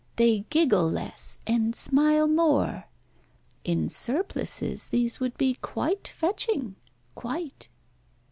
They giggle less, and smile more. In surplices these would be quite fetching quite."